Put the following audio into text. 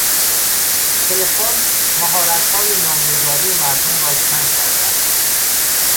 تلفن مهارتهای نامه نگاری مردم را کم کرده است.